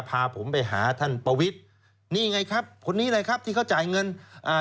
พาผมไปหาท่านประวิทย์นี่ไงครับคนนี้เลยครับที่เขาจ่ายเงินอ่า